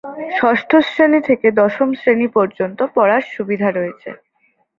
ষষ্ঠ শ্রেণি থেকে দশম শ্রেণি পর্যন্ত পড়ার সুবিধা রয়েছে।